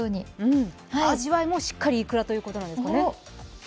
味わいもしっかりいくらということなんですね。